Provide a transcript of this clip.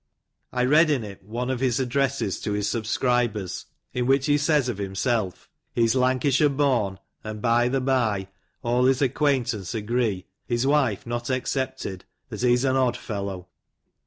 I read in it one of his addresses to his subscribers, in which he says of himself, —" lies Lancashire born ; and by the by, all his acquaintance agree, his wife not excepted, that he's an udd fellow.